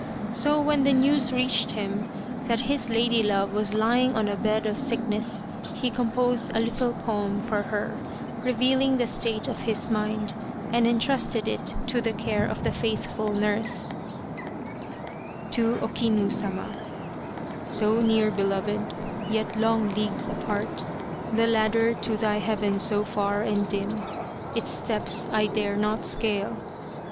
So when the news reached him that his lady love was lying on a bed of sickness, he composed a little poem for her, revealing 227 Kinu Returns from the Grave the state of his mind, and entrusted it to the care of the faithful nurse : To O KINU SAMA So near Beloved, yet long leagues apart, The ladder to thy Heaven so far and dim, Its steps I dare not scale